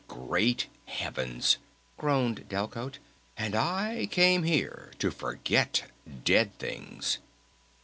"Great Heavens!" groaned Delcote. "And I came here to forget 'dead things'!"